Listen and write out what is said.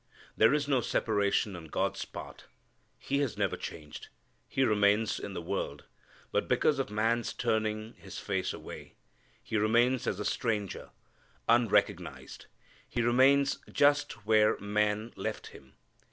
There is no separation on God's part. He has never changed. He remains in the world, but because of man's turning his face away, He remains as a stranger, unrecognized. He remains just where man left Him.